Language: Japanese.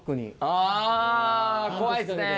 あ怖いっすね。